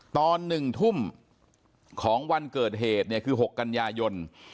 ตอนหนึ่งทุ่มของวันเกิดเหตุเนี่ยคือหกกัญญายนต์